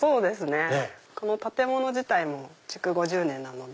この建物自体も築５０年なので。